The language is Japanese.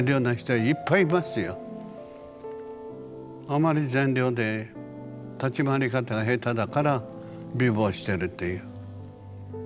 あまり善良で立ち回り方が下手だから貧乏してるという。